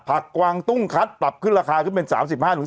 กวางตุ้งคัดปรับขึ้นราคาขึ้นเป็น๓๕